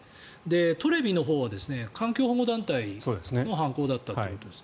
トレビのほうは環境保護団体の犯行だったということです。